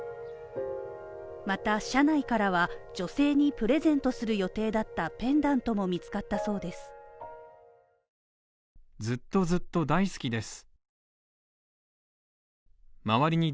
また車内からは女性にプレゼントする予定だったペンダントも見つかったそうです。